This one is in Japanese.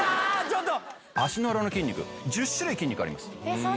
足の裏の筋肉１０種類筋肉あります。